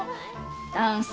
ダンス